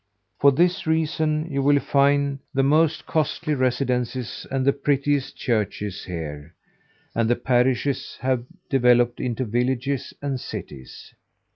For this reason you will find the most costly residences and the prettiest churches here; and the parishes have developed into villages and cities.